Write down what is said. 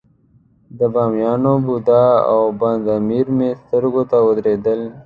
د بامیانو بودا او بند امیر مې سترګو ته ودرېدل.